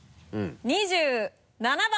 ２７番。